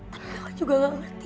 tapi aku juga gak ngerti